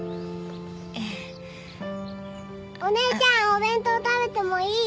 ええお姉ちゃんお弁当食べてもいい？